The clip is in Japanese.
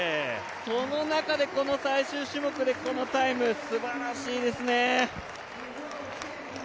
その中でこの最終種目でこのタイム、すばらしいですね。